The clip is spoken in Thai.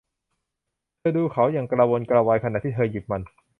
เธอดูเขาอย่างกระวนกระวายขณะที่เธอหยิบมัน